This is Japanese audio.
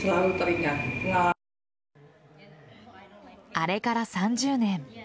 あれから３０年。